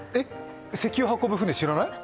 石油運ぶ船知らない？